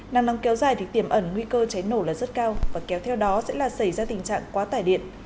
nắng nóng kéo dài thì tiểm ẩn nguy cơ cháy nổ là rất cao và kéo theo đó sẽ là xảy ra tình trạng quá tải điện